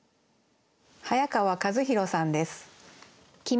早川和博さんです。